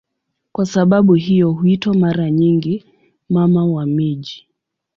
Kwa sababu hiyo huitwa mara nyingi "Mama wa miji".